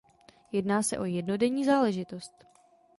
Jedná se o jednodenní záležitost.